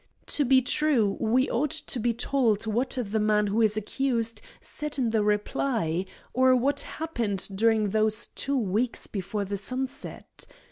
To be true, we ought to be told what the man who is accused said in the reply, or what happened during those two weeks before the sunset.